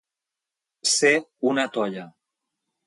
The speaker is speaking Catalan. Ser una toia.